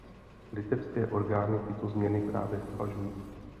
Litevské orgány tyto změny právě zvažují.